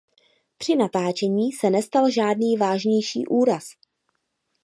Při natáčení se nestal žádný vážnější úraz.